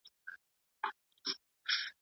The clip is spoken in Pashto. پیسی شخصیت نسی جوړولای.